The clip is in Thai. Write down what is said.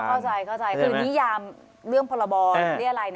เข้าใจคือนิยามเรื่องภัณฑ์ละบอหรืออะไร